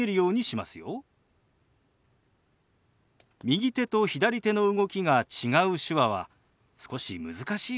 右手と左手の動きが違う手話は少し難しいかもしれませんね。